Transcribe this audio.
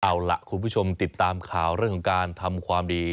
เอาล่ะคุณผู้ชมติดตามข่าวเรื่องของการทำความดี